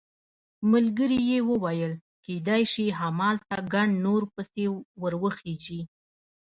ملګري یې وویل کېدای شي همالته ګڼ نور پسې ور وخېژي.